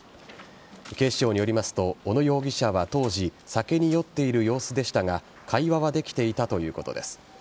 警視庁によりますと小野容疑者は当時酒に酔っている様子でしたが会話はできていたということです。